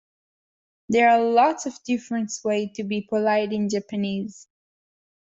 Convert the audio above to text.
There are lots of different ways to be polite in Japanese.